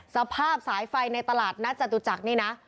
สภาพสายไฟในตลาดนัดจตุจักรนี่นะ